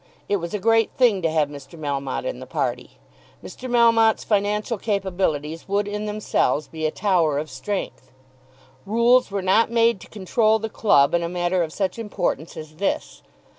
It was a great thing to have Mr. Melmotte in the party. Mr. Melmotte's financial capabilities would in themselves be a tower of strength. Rules were not made to control the club in a matter of such importance as this.